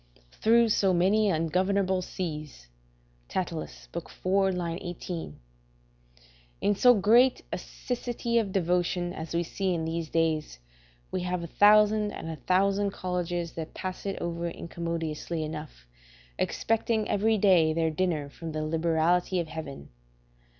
["Through so many ungovernable seas." Catullus, iv. 18.] In so great a siccity of devotion as we see in these days, we have a thousand and a thousand colleges that pass it over commodiously enough, expecting every day their dinner from the liberality of Heaven.